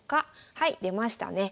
はい出ましたね。